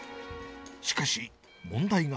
しかし、問題が。